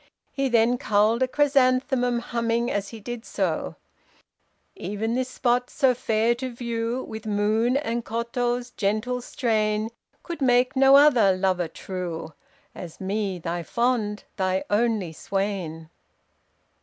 He then culled a chrysanthemum, humming, as he did so: 'Even this spot, so fair to view With moon, and Koto's gentle strain, Could make no other lover true, As me, thy fond, thy only swain.'